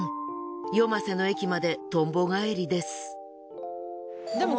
夜間瀬の駅までとんぼ返りです。